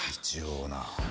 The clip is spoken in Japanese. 一応な。